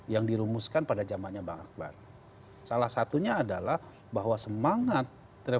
yang dirumuskan pada zamannya bang akbar